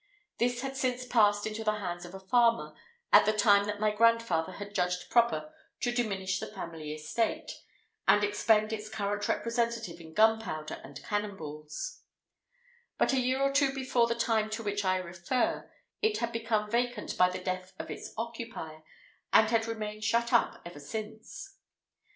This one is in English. This had since passed into the hands of a farmer, at the time that my grandfather had judged proper to diminish the family estate, and expend its current representative in gunpowder and cannon balls; but a year or two before the time to which I refer, it had become vacant by the death of its occupier, and had remained shut up ever since.